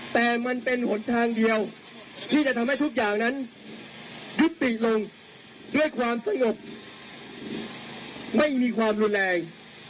แต่มันเป็นหนทางเดียวที่จะทำให้ทุกอย่างนั้นยุติลงด้วยความสงบไม่มีความรุนแรง